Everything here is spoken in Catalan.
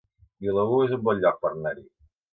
Vilaür es un bon lloc per anar-hi